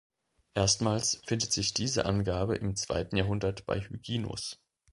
Erstmals findet sich diese Angabe im zweiten Jahrhundert bei Hyginus.